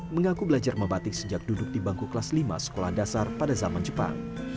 mengaku belajar membatik sejak duduk di bangku kelas lima sekolah dasar pada zaman jepang